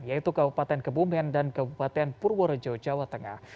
yaitu kabupaten kebumen dan kabupaten purworejo jawa tengah